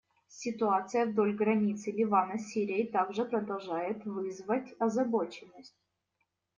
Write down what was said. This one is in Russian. Ситуация вдоль границы Ливана с Сирией также продолжает вызвать озабоченность.